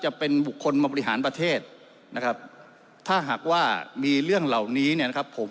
จะเป็นบุคคลบริหารประเทศนะครับถ้าหากว่ามีเรื่องเหล่านี้เนี่ยนะครับผม